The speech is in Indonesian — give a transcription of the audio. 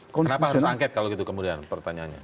kenapa harus angket kalau gitu kemudian pertanyaannya